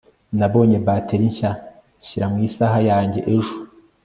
nabonye bateri nshya nshyira mu isaha yanjye ejo